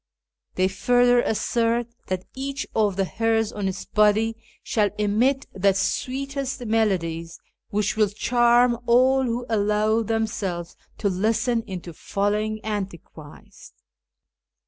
They further assert that each of the hairs on its body shall emit the sweetest melodies, which will charm all who allow themselves to listen into following Antichrist.